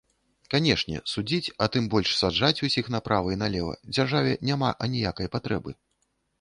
Канешне, судзіць, а тым больш саджаць усіх направа і налева дзяржаве няма аніякай патрэбы.